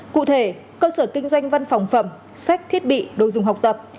cụ thể cơ sở kinh doanh văn phòng phẩm sách thiết bị đồ dùng học tập